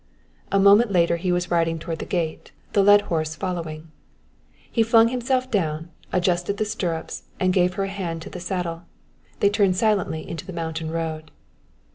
A moment later he was riding toward the gate, the led horse following. He flung himself down, adjusting the stirrups and gave her a hand into the saddle. They turned silently into the mountain road.